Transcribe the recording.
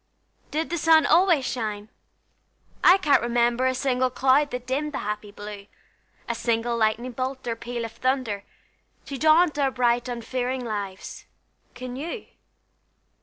Did the sun always shine? I can't remember A single cloud that dimmed the happy blue, A single lightning bolt or peal of thunder, To daunt our bright, unfearing lives: can you?